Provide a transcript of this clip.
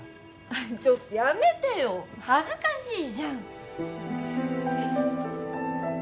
ちょっとやめてよ！恥ずかしいじゃん。